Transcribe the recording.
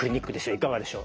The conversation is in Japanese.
いかがでしょう？